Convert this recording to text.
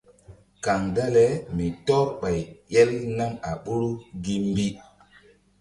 Kaŋ dale mi tɔ́r ɓay el nam a ɓoru gi mbi.